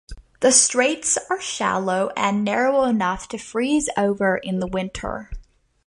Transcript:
The straits are shallow and narrow enough to freeze over in the winter.